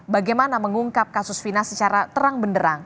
bagaimana mengungkap kasus fina secara terang benderang